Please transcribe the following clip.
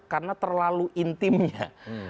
karena terlalu intimnya